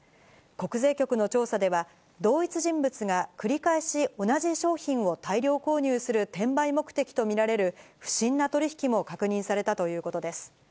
国税局の調査では、同一人物が繰り返し、同じ商品を大量購入する転売目的と見られる不審な取り引きも確認されたということです。